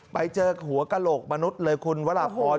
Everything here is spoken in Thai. ไปเจอหัวกระโหลกมนุษย์เลยคุณวราพร